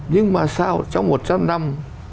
nhưng mà sao trong một trăm linh năm